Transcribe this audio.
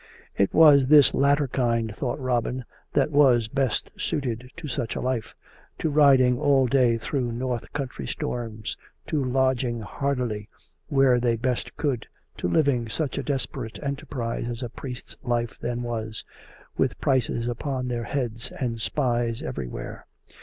It was this latter kind, thought Robin, that was best suited to such a life — to riding all day through north country storms, to lodging hardily where they best could, to living such a desperate enterprise as a priest's life then was, with prices upon their heads and spies everywhere.